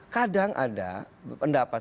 kadang ada pendapat